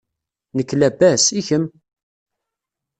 Nekk labas, i kemm?